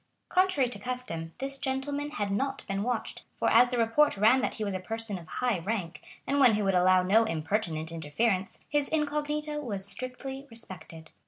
Contrary to custom, this gentleman had not been watched, for as the report ran that he was a person of high rank, and one who would allow no impertinent interference, his incognito was strictly respected.